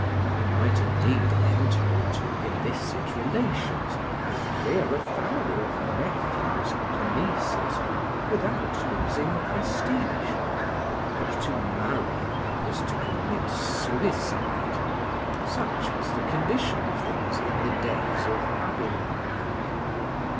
He might indeed enter into illicit relations, and rear a family of "nephews" and "nieces," without losing prestige; but to marry was to commit suicide. Such was the condition of things in the days of Abélard.